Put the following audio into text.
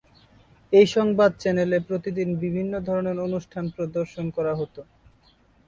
এই সংবাদ চ্যানেলে প্রতিদিন বিভিন্ন ধরনের অনুষ্ঠান প্রদর্শন করা হত।